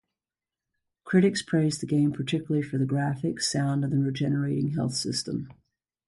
Critics praised the game particularly for the graphics, sound and the regenerating health system.